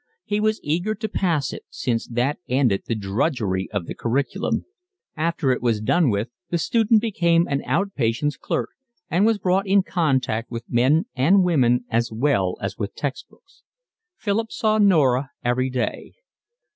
He was eager to pass it, since that ended the drudgery of the curriculum; after it was done with the student became an out patients' clerk, and was brought in contact with men and women as well as with text books. Philip saw Norah every day.